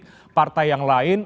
atau partai yang lain